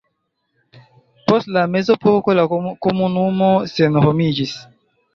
Post la mezepoko la komunumo senhomiĝis.